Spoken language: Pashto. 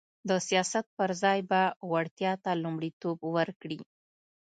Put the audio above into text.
د سیاست پر ځای به وړتیا ته لومړیتوب ورکړي